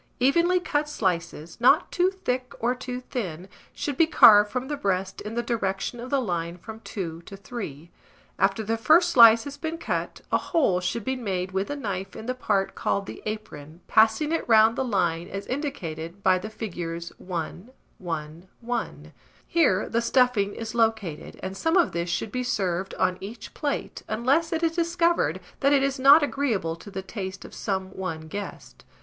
Evenly cut slices, not too thick or too thin, should be carved from the breast in the direction of the line from 2 to 3; after the first slice has been cut, a hole should be made with the knife in the part called the apron, passing it round the line, as indicated by the figures 1, 1, 1: here the stuffing is located, and some of this should be served on each plate, unless it is discovered that it is not agreeable to the taste of some one guest.